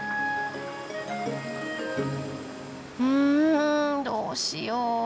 うんどうしよう。